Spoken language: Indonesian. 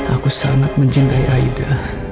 aku sangat mencintai aida